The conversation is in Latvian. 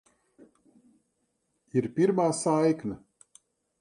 Ir pirmā saikne.